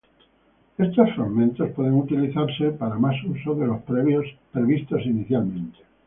Estos fragmentos pueden utilizarse para más usos de los previstos inicialmente.